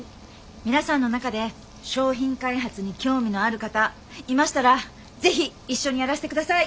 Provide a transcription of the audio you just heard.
皆さんの中で商品開発に興味のある方いましたら是非一緒にやらしてください！